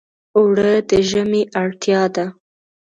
اوړه د ژمي اړتیا ده